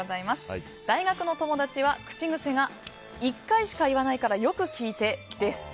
大学の友達は口癖が１回しか言わないからよく聞いて、です。